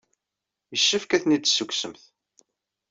Yessefk ad ten-id-tessukksemt.